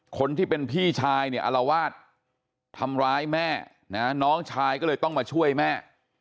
คนที่เป็นพี่ชายเนี่ยอารวาสทำร้ายแม่นะน้องชายก็เลยต้องมาช่วยแม่